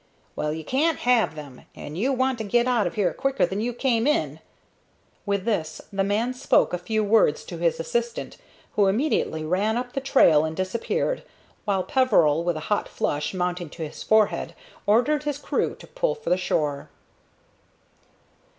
"Well, you can't have them, and you want to get out of here quicker than you came in!" With this the man spoke a few words to his assistant, who immediately ran up the trail and disappeared, while Peveril, with a hot flush mounting to his forehead, ordered his crew to pull for the shore.